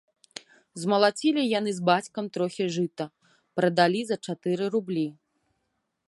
Змалацілі яны з бацькам трохі жыта, прадалі за чатыры рублі.